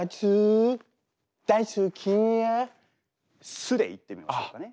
「す」で言ってみましょうかね。